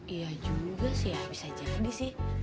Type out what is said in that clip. iya juga sih ya bisa jadi sih